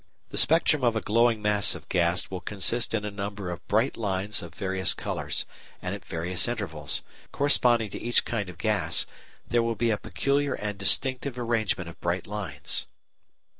The spectrum of a glowing mass of gas will consist in a number of bright lines of various colours, and at various intervals; corresponding to each kind of gas, there will be a peculiar and distinctive arrangement of bright lines.